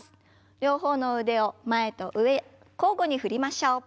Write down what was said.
両方の腕を前と上交互に振りましょう。